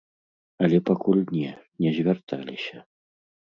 Але пакуль не, не звярталіся.